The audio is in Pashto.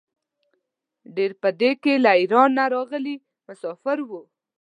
ډېر په کې له ایران نه راغلي مساپر وو.